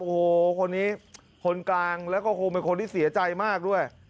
โอ้โหคนนี้คนกลางแล้วก็คงเป็นคนที่เสียใจมากด้วย